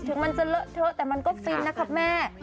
ถึงมันจะเลอะเทอะแต่มันก็ฟินนะครับแม่